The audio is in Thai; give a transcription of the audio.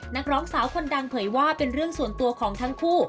นักร้องสาวคนดังเผยว่าเป็นเรื่องส่วนตัวของทั้งคู่